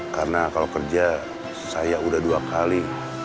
karena kalau kerja saya udah dua kali